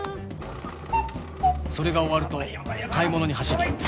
それが終わると買い物に走り